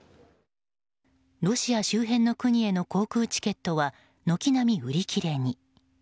ロシア周辺の国への航空チケットは軒並み売り切れに。